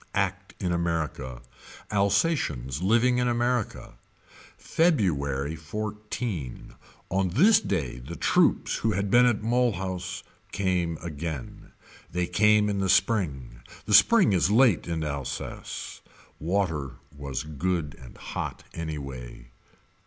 Act in America. Alsatians living in America. February XIV. On this day the troops who had been at Mulhouse came again. They came in the spring. The spring is late in Alsace. Water was good and hot anyway.